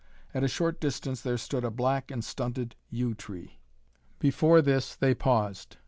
At a short distance there stood a black and stunted yew tree. Before this they paused.